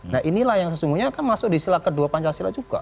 nah inilah yang sesungguhnya akan masuk di sila kedua pancasila juga